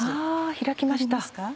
開きました。